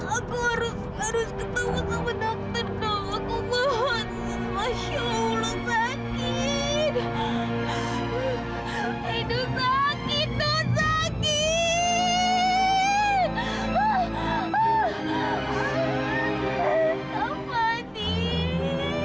aku harus ketemu sama dokter dong